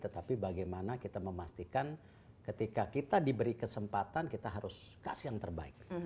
tetapi bagaimana kita memastikan ketika kita diberi kesempatan kita harus kasih yang terbaik